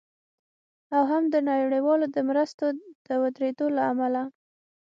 او هم د نړیوالو د مرستو د ودریدو له امله